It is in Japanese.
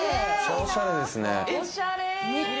おしゃれですね。